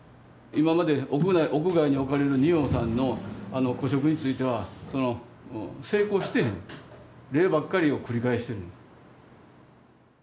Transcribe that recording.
今まで屋外に置かれる仁王さんの古色については成功してへん例ばっかりを繰り返してる。